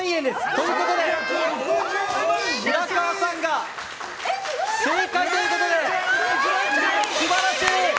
ということで白河さんが正解ということで素晴らしい！